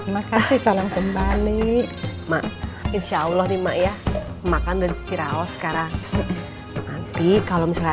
makasih salam kembali mak insyaallah nih mak ya makan dan ciraus sekarang nanti kalau misalnya